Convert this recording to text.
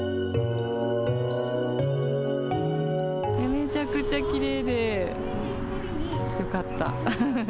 めちゃくちゃきれいでよかった。